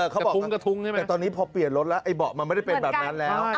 เขาบอกแต่ตอนนี้พอเปลี่ยนรถแล้วไอเบาะมันไม่ได้เป็นแบบนั้นแล้ว